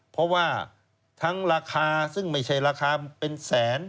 เพราะว่าทั้งราคาซึ่งไม่ใช่ราคาเป็นแสน